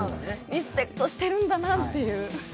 リスペクトしてるんだなっていう。